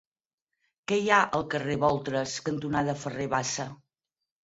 Què hi ha al carrer Boltres cantonada Ferrer Bassa?